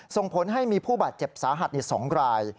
ส่งผลให้มีผู้บาดเจ็บสาหัส๒ราย